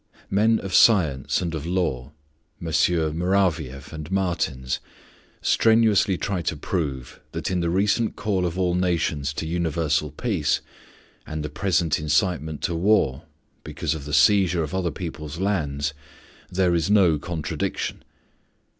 Men of science and of law (Messieurs Muravieff and Martens) strenuously try to prove that in the recent call of all nations to universal peace and the present incitement to war, because of the seizure of other peoples' lands, there is no contradiction.